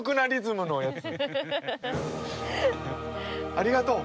ありがとう！